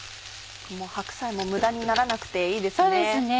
白菜も無駄にならなくていいですね。